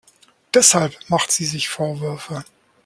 Deshalb macht sie sich Vorwürfe.